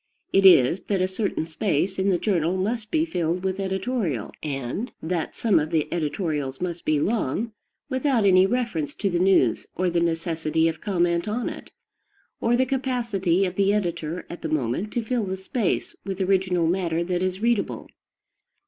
It is that a certain space in the journal must be filled with editorial, and that some of the editorials must be long, without any reference to the news or the necessity of comment on it, or the capacity of the editor at the moment to fill the space with original matter that is readable.